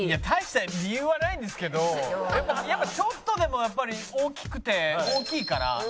大した理由はないんですけどやっぱりちょっとでも大きくて大きいから。